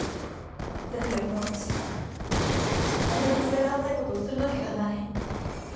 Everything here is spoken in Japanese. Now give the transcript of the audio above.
でなきゃこの私があんなに詰めが甘い事をするわけがない。